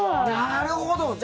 なるほど。